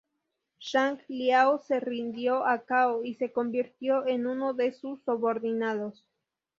Zhang Liao se rindió a Cao y se convirtió en uno de sus subordinados.